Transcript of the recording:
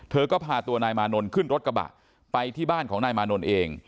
เธอก็พาตัวนายมานนท์ขึ้นรถกระบะไปที่บ้านของนายมานนท์เอง